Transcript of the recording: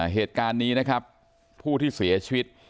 เหตุการณ์นี้นะครับผู้ที่เสียชีวิต